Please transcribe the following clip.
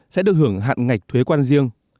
thứ hưởng hạn ngạch thuế quan riêng